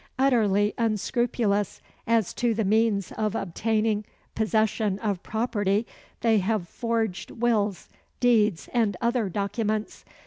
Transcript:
Utterly unscrupulous as to the means of obtaining possession of property, they have forged wills, deeds, and other documents.